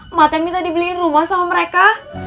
emak yang minta dibeliin rumah sama mereka